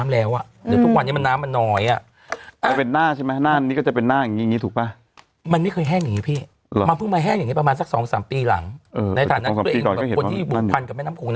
แล้วอี๋อย่างนึงตอนต